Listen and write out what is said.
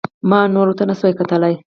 ما نور ورته نسو کتلى.